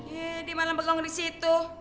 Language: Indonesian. jadi malam bergonggong disitu